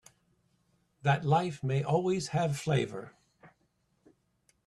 That life may always have flavor.